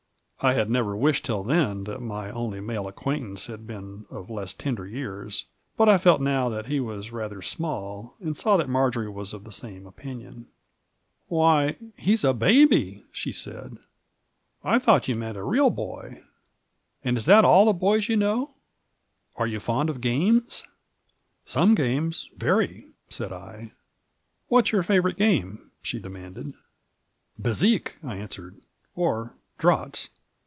I had never wished till then that my only male acquaintance had been of less tender years, but I felt now that he was rather small, and saw that Marjory was of the same opinion. "Why, he's a babyl" she said; "I thought you Digitized by VjOOQIC • MABJORT. 87 meant a real boy. And is that all the bojs you know ? Are you fond of games?" "Some games — ^very," said I. "What's your favorite game?'* she demanded. "Bezique," I answered, "or draughts."